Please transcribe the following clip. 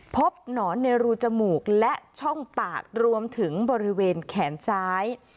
หนอนในรูจมูกและช่องปากรวมถึงบริเวณแขนซ้าย